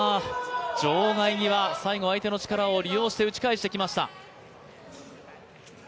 場外には、最後、相手の力を利用して打ち返してきました。